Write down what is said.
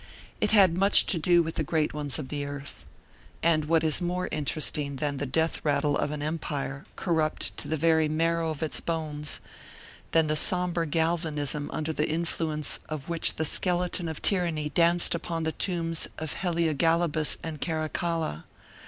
It had much to do with the great ones of earth. And what is more interesting than the death rattle of an empire corrupt to the very marrow of its bones, than the somber galvanism under the influence of which the skeleton of tyranny danced upon the tombs of Heliogabalus and Caracalla!